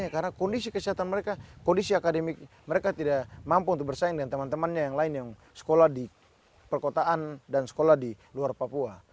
karena kondisi kesehatan mereka kondisi akademik mereka tidak mampu untuk bersaing dengan teman temannya yang lain yang sekolah di perkotaan dan sekolah di luar papua